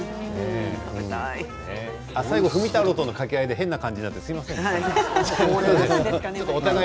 最後ふみたろうとの掛け合いで変な感じになってすいませんでした。